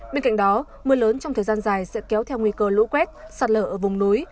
bên cạnh đó mưa lớn trong thời gian dài sẽ kéo theo nguy cơ lũ quét sạt lở ở vùng núi